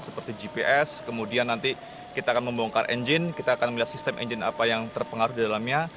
seperti gps kemudian nanti kita akan membongkar engine kita akan melihat sistem engine apa yang terpengaruh di dalamnya